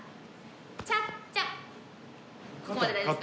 ここまで大丈夫ですか？